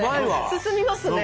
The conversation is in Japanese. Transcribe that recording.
進みますね。